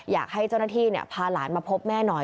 อยากให้เจ้าหน้าที่พาหลานมาพบแม่หน่อย